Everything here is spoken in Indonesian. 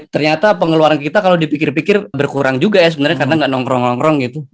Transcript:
ternyata pengeluaran kita kalau dipikir pikir berkurang juga ya sebenarnya karena nggak nongkrong nongkrong gitu